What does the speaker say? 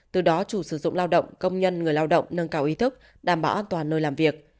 từ đó chủ sử dụng lao động công nhân người lao động nâng cao ý thức đảm bảo an toàn nơi làm việc